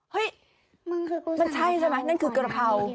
เฮ้ยมันใช่ใช่ไหมนั่นคือกระเพรา